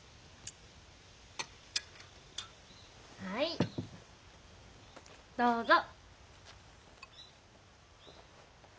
はいどうぞ。